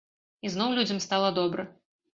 І зноў людзям стала добра.